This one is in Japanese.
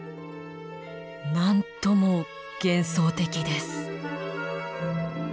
なんとも幻想的です。